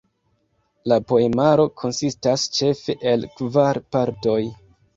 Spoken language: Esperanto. La poemaro konsistas ĉefe el kvar partoj.